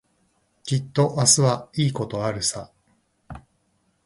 きっと明日はいいことあるさ。